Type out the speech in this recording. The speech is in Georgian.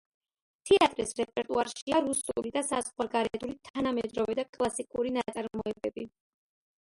თეატრის რეპერტუარშია რუსული და საზღვარგარეთული თანამედროვე და კლასიკური ნაწარმოებები.